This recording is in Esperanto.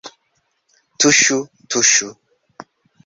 Tuŝu, tuŝu